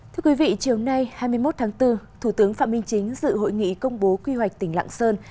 thưa quý vị chiều nay hai mươi một tháng bốn thủ tướng phạm minh chính dự hội nghị công bố quy hoạch tỉnh lạng sơn